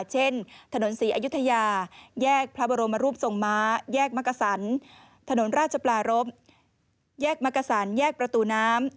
ถนนศรีอยุธยาแยกพระบรมรูปทรงม้าแยกมกษันถนนราชปลารบแยกมกษันแยกประตูน้ำ